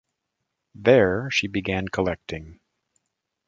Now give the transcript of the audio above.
There, she began collecting.